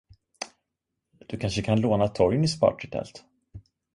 Du kanske kan låna Torgnys partytält?